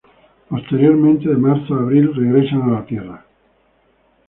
Posteriormente, de marzo a abril, regresan a tierra.